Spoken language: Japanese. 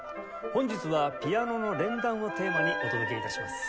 本日はピアノの連弾をテーマにお届け致します。